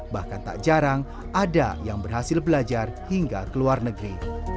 bahkan tak jarang ada yang berhasil belajar hingga ke luar negeri